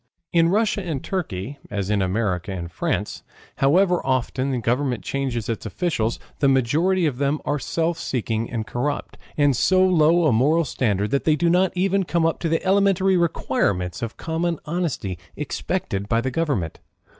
In Russia and Turkey as in America and France, however often the government change its officials, the majority of them are self seeking and corrupt, of so low a moral standard that they do not even come up the elementary requirements of common honesty expected by the government.